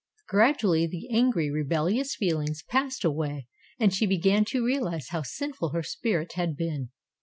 Gradually the angry, rebellious feelings passed away and she began to realize how sinful her spirit had been.